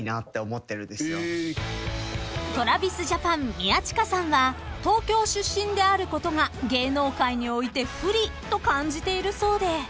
［ＴｒａｖｉｓＪａｐａｎ宮近さんは東京出身であることが芸能界において不利と感じているそうで］